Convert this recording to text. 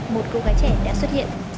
một cô gái trẻ đã xuất hiện